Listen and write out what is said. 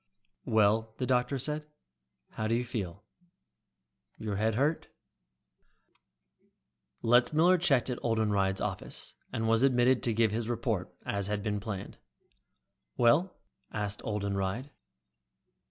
"Well," the doctor said, "how do you feel? Your head hurt?" Letzmiller checked at Oldenreid's office, and was admitted to give his report, as had been planned. "Well?" asked Oldenreid.